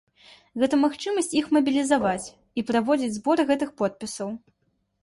Гэта магчымасць іх мабілізаваць і праводзіць збор гэтых подпісаў.